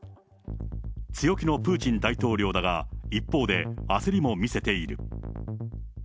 強気のプーチン大統領だが、一方で、焦りも見せている。